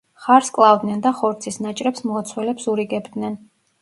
ხარს კლავდნენ და ხორცის ნაჭრებს მლოცველებს ურიგებდნენ.